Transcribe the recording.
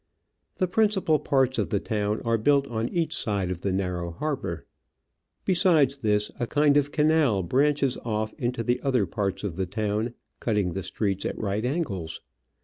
The principal parts of the town are built on each side of the narrow harbour ; besides this, a kind of canal branches off into the other parts of the town, cutting the streets at right angles.